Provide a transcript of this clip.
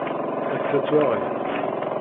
Atta twaɣit!